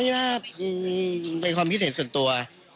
ในความคิดเห็นส่วนตัว